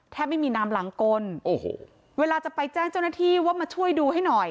ไม่มีน้ำหลังกลโอ้โหเวลาจะไปแจ้งเจ้าหน้าที่ว่ามาช่วยดูให้หน่อย